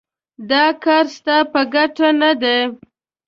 دا کار ستا په ګټه نه دی.